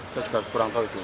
saya juga kurang tahu itu